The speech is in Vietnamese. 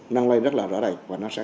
năng lây rất là rõ ràng